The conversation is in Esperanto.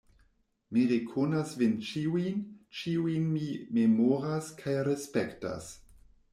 Mi rekonas vin ĉiujn, ĉiujn mi memoras kaj respektas.